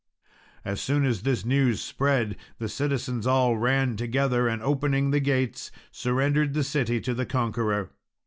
As soon as this news spread, the citizens all ran together, and, opening the gates, surrendered the city to the conqueror.